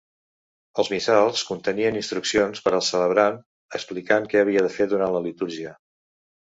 Els missals contenien instruccions per al celebrant explicant què havia de fer durant la litúrgia.